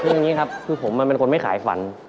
คืออย่างนี้ครับคือผมมันเป็นคนไม่ขายฝัน